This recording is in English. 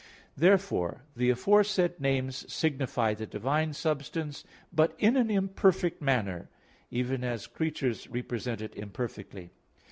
Therefore the aforesaid names signify the divine substance, but in an imperfect manner, even as creatures represent it imperfectly.